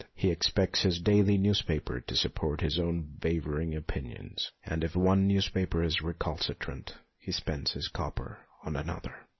He expects his daily newspaper to support his own wavering opinions, and if one newspaper is recalcitrant he spends his copper on another.